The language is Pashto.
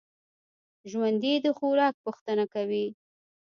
ژوندي د خوراک پوښتنه کوي